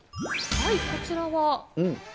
こちらは？